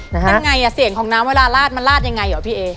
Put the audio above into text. ยังไงอ่ะเสียงของน้ำเวลาลาดมันลาดยังไงหรอพี่เอ